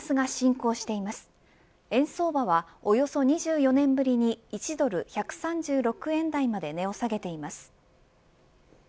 円相場はおよそ２４年ぶりに１ドル１３６円台まで値を下げています。